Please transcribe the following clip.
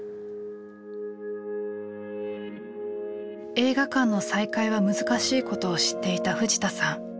映画館の再開は難しいことを知っていた藤田さん。